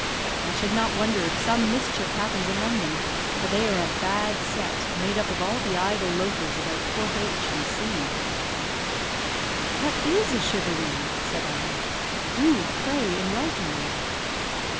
I should not wonder if some mischief happens among them, for they are a bad set, made up of all the idle loafers about Port H and C ." "What is a charivari?" said I. "Do, pray, enlighten me."